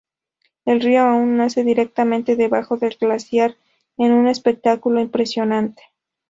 El río aún nace directamente debajo del glaciar en un espectáculo impresionante.